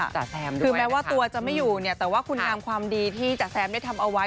คือแม้ว่าตัวจะไม่อยู่เนี่ยแต่ว่าคุณงามความดีที่จ๋าแซมได้ทำเอาไว้